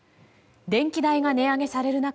電気代が値上げされる中